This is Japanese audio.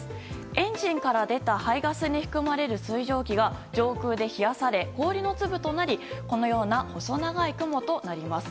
エンジンから出た排ガスに含まれる水蒸気が上空で冷やされ、氷の粒となりこのような細長い雲となります。